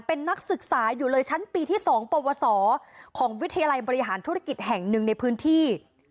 เป็นนักศึกษาอยู่เลยชั้นปีที่๒ปวสอของวิทยาลัยบริหารธุรกิจแห่งหนึ่งในพื้นที่